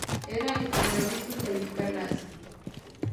Era el primer obispo en calificarla así.